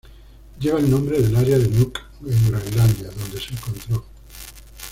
Lleva el nombre del área de Nuuk en Groenlandia, donde se encontró.